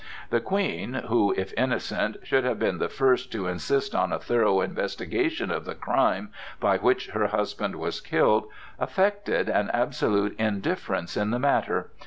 The Queen, who, if innocent, should have been the first to insist on a thorough investigation of the crime by which her husband was killed, affected an absolute indifference in the matter.